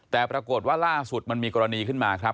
แต่ปรากฏว่าล่าสุดมันมีกรณีขึ้นมาครับ